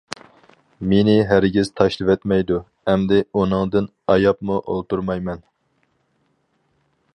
مېنى ھەرگىز تاشلىۋەتمەيدۇ، ئەمدى ئۇنىڭدىن ئاياپمۇ ئولتۇرمايمەن.